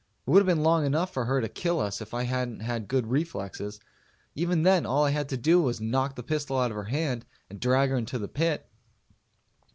It would have been long enough for her to kill us if I hadn't had good reflexes. Even then, all I had time to do was knock the pistol out of her hand and drag her into the pit.